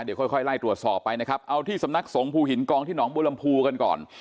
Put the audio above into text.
เดี๋ยวค่อยไล่ตรวจสอบไปนะครับเอาที่สำนักสงภูหินกองที่หนองบัวลำพูกันก่อน